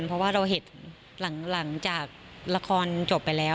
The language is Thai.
เพราะว่าเราเห็นหลังจากละครจบไปแล้ว